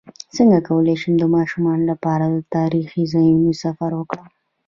څنګه کولی شم د ماشومانو لپاره د تاریخي ځایونو سفر وکړم